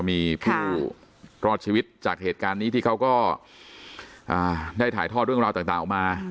มีผู้รอดชีวิตจากเหตุการณ์นี้ที่เขาก็ได้ถ่ายทอดเรื่องราวต่างออกมา